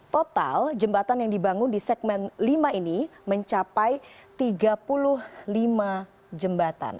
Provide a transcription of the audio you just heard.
total jembatan yang dibangun di segmen lima ini mencapai tiga puluh lima jembatan